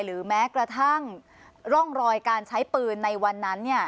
หรือแม้กระทั่งร่องรอยการใช้ปืนในวันนั้น